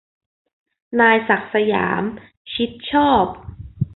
นายศักดิ์สยาม ชิดชอบ